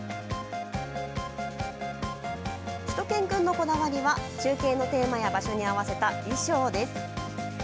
しゅと犬くんのこだわりは中継のテーマや場所に合わせた衣装です。